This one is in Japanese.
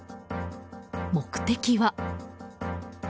目的は。